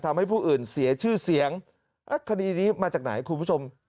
ทำให้ผู้อื่นเสียชื่อเสียงคดีนี้มาจากไหนคุณผู้ชม